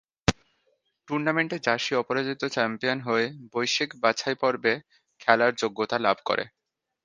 টুর্নামেন্টে জার্সি অপরাজিত চ্যাম্পিয়ন হয়ে বৈশ্বিক বাছাইপর্বে খেলার যোগ্যতা লাভ করে।